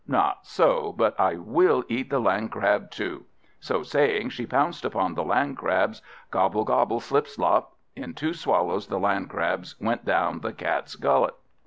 Not so, but I will eat the Landcrab too!" So saying, she pounced upon the Landcrabs. Gobble, gobble, slip, slop: in two swallows the Landcrabs went down the Cat's gullet.